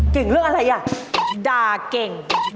เก่งเรื่องอะไร